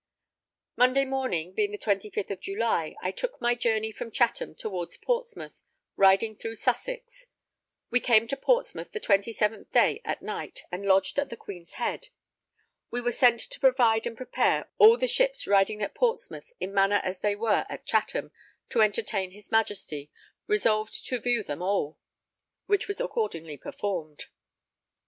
Monday morning, being the 25th of July, I took my journey from Chatham towards Portsmouth, riding through Sussex. We came to Portsmouth [the] 27th day at night and lodged at the Queen's Head. We were sent to provide and prepare all the ships riding at Portsmouth in manner as they were at Chatham, to entertain his Majesty, resolved to view them all; which was accordingly performed.